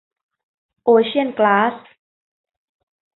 โอเชียนกลาส